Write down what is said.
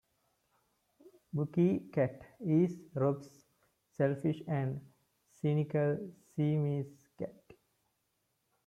Bucky Katt is Rob's selfish and cynical Siamese Cat.